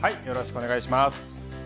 よろしくお願いします。